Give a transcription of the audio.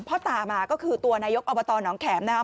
พ่อตามาก็คือตัวนายกอบตหนองแขมนะครับ